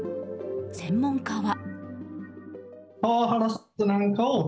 専門家は。